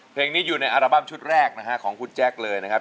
เพลงนี้อยู่ในอัลบั้มชุดแรกนะฮะของคุณแจ๊คเลยนะครับ